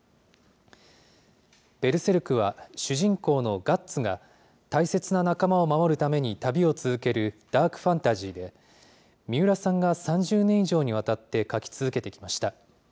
ベルセルクは、主人公のガッツが、大切な仲間を守るために旅を続けるダークファンタジーで、三浦さんが３０年以上にわたって描き続けてきました。